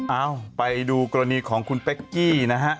เอ้าไปดูกรณีของคุณเป๊กกี้นะฮะ